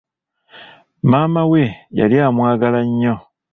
Maama we yali amwagala nnyo.